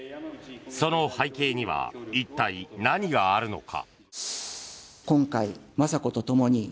その背景には一体、何があるのか。